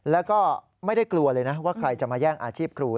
แล้วก็ไม่ได้กลัวเลยนะว่าใครจะมาแย่งอาชีพครู